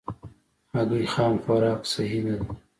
هګۍ خام خوراک صحي نه ده.